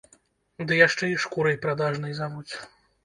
Ды яшчэ і шкурай прадажнай завуць.